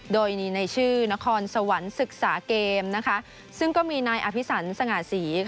โดยมีในชื่อนครสวรรค์ศึกษาเกมซึ่งก็มีนายอภิสันสง่าศรี